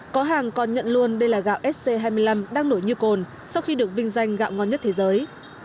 có hàng còn nhận luôn đây là gạo st hai mươi năm đang nổi như cồn sau khi được vinh danh gạo ngon nhất thế giới